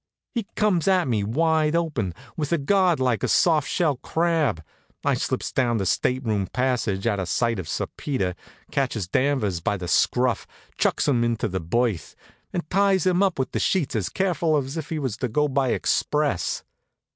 He comes at me wide open, with a guard like a soft shell crab. I slips down the state room passage, out of sight of Sir Peter, catches Danvers by the scruff, chucks him into a berth, and ties him up with the sheets, as careful as if he was to go by express.